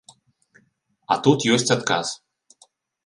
А тут ёсць адказ.